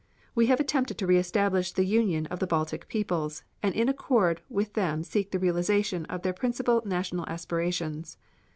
We have attempted to re establish the union of the Baltic peoples, and in accord with them seek the realization of their principal national aspirations.